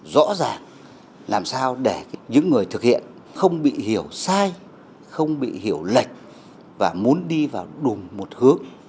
rõ ràng làm sao để những người thực hiện không bị hiểu sai không bị hiểu lệch và muốn đi vào đùm một hướng